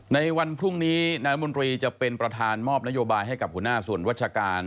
ในวันพรุ่งนี้นายมนตรีจะเป็นประธานมอบนโยบายให้กับหัวหน้าส่วนวัชการ